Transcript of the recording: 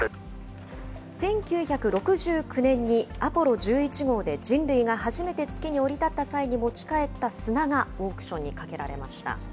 １９６９年にアポロ１１号で、人類が初めて月に降り立った際に持ち帰った砂がオークションにかけられました。